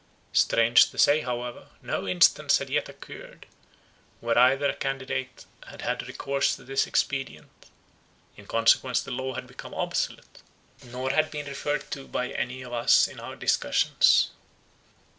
Strange to say however, no instance had yet occurred, where either candidate had had recourse to this expedient; in consequence the law had become obsolete, nor had been referred to by any of us in our discussions.